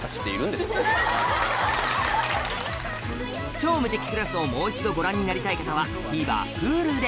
『超無敵クラス』をもう一度ご覧になりたい方はＴＶｅｒＨｕｌｕで